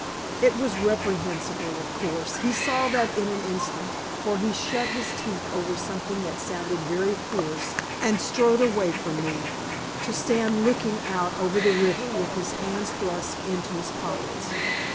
It was reprehensible, of course; he saw that in an instant, for he shut his teeth over something that sounded very fierce, and strode away from me, to stand looking out over the river, with his hands thrust in his pockets.